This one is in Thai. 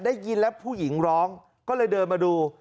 ได้ยินแล้วผู้หญิงร้องก็เลยเดินมาดู